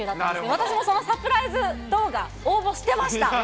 私もそのサプライズ動画、応募してました。